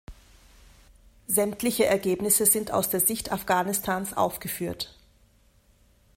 Sämtliche Ergebnisse sind aus der Sicht Afghanistans aufgeführt.